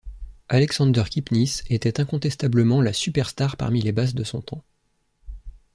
Alexander Kipnis était incontestablement la superstar parmi les basses de son temps.